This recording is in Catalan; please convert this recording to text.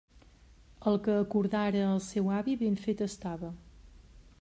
El que acordara el seu avi ben fet estava.